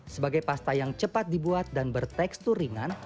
sebagai pasta yang cepat dibuat dan bertekstur ringan